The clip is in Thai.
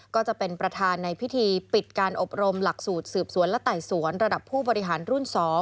ก็จะเป็นประธานในพิธีปิดการอบรมหลักสูตรสืบสวนและไต่สวนระดับผู้บริหารรุ่น๒